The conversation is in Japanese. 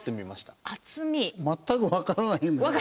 全くわからないんだけど。